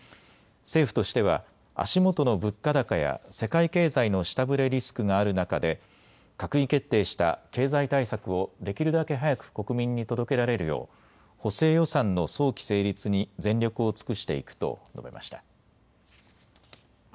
政府としては足元の物価高や世界経済の下振れリスクがある中で閣議決定した経済対策をできるだけ早く国民に届けられるよう補正予算の早期成立に全力を尽くしていくと述べました。